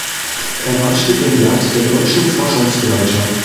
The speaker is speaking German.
Er war Stipendiat der Deutschen Forschungsgemeinschaft.